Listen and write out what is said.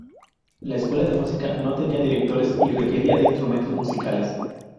La escuela de música no tenía directores y requería de instrumentos musicales.